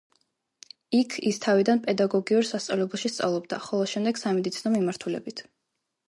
იქ ის თავიდან პედაგოგიურ სასწავლებელში სწავლობდა, ხოლო შემდეგ სამედიცინო მიმართულებით.